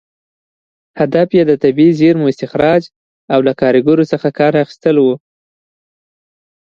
هدف یې د طبیعي زېرمو استخراج او له کارګرو څخه کار اخیستل و.